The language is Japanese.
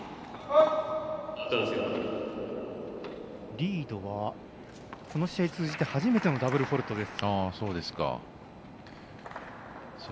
リードはこの試合通じて初めてのダブルフォールトです。